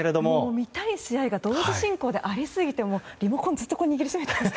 見たい試合が同時進行でありすぎてリモコンをずっと握りしめて。